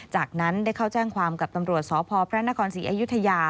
จากนั้นได้เข้าแจ้งความกับตำรวจสพพระนครศรีอยุธยา